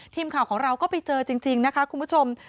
ทีมข่าวของเราก็ไปเจอจริงนะคะคุณผู้ชม